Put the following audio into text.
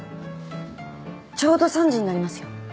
ちょうど３時になりますよ。